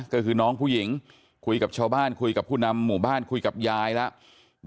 ก็คือน้องผู้หญิงคุยกับชาวบ้านคุยกับผู้นำหมู่บ้านคุยกับยายแล้ว